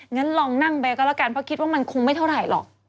งั้นลองนั่งไปก็แล้วกันเพราะคิดว่ามันคงไม่เท่าไหร่หรอก